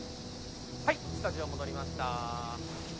はいスタジオ戻りました。